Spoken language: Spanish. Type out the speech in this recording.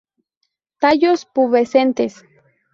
Tallos pubescentes.